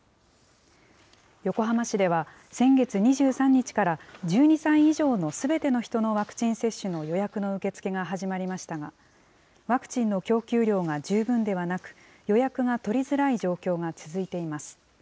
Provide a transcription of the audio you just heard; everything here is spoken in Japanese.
横浜市では、先月２３日から１２歳以上のすべての人のワクチン接種の予約の受け付けが始まりましたが、ワクチンの供給量が十分ではなく、予約が取りづらい状況が続いています。